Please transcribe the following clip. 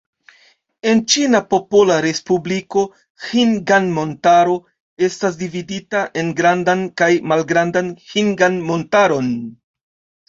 En Ĉina Popola Respubliko, Ĥingan-Montaro estas dividita en Grandan kaj Malgrandan Ĥingan-Montaron.